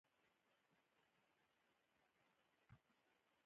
د انجینري پوهنځی د طبیعي او مصنوعي سیستمونو پر پراختیا ټینګار کوي.